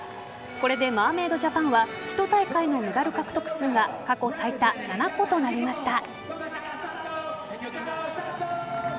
これでマーメイドジャパンは１大会のメダル獲得数が過去最多７個となりました。